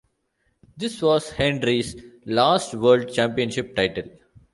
This was Hendry's last World Championship title.